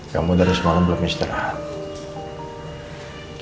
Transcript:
kamu dari semalam belum istirahat